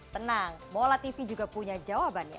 tenang mola tv juga punya jawabannya